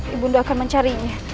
ibu dan akan mencarinya